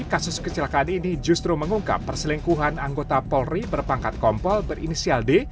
kasus kecelakaan ini justru mengungkap perselingkuhan anggota polri berpangkat kompol berinisial d